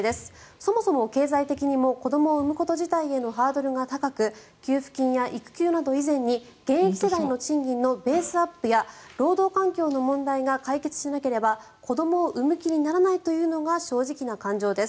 そもそも経済的にも子どもを産むこと自体へのハードルが高く給付金や育休など以前に現役世代の賃金のベースアップや労働環境の問題が解決しなければ子どもを産む気にならないというのが正直な感情です。